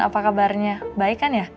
apa kabarnya baik kan ya